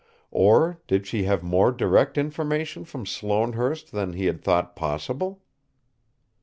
Or did she have more direct information from Sloanehurst than he had thought possible?